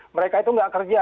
mereka itu tidak kerja